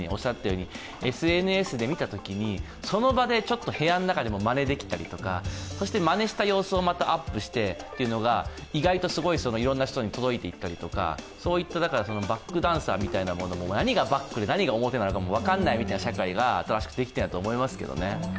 まさにＳＮＳで見たときに、その場でちょっと部屋の中でもまねできたりとか、まねした様子をまたアップしてというのが意外といろんな人に届いていったりとか、バックダンサーみたいなものも何がバックで何が表なのか分からない社会が新しくできてきたと思いますけどね。